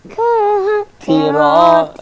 คือหักที่รอด